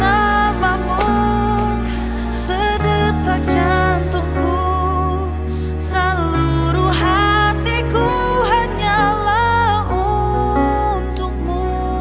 hantuku seluruh hatiku hanyalah untukmu